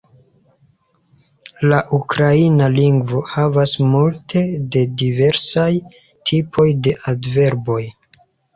La ukraina lingvo havas multe de diversaj tipoj de adverboj.